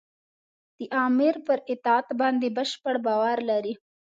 د امیر پر اطاعت باندې بشپړ باور لري.